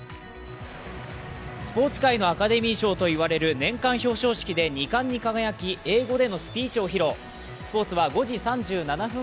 スポーツ界のアカデミー賞といわれる年間表彰式で２冠に輝き英語でのスピーチを披露。